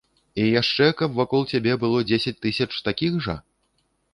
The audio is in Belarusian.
І яшчэ, каб вакол цябе было дзесяць тысяч такіх жа?